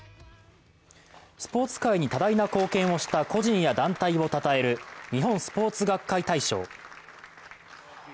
スポーツ界に多大な貢献をした個人や団体をたたえる日本スポーツ学会大賞。